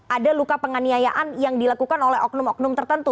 ada luka penganiayaan yang dilakukan oleh oknum oknum tertentu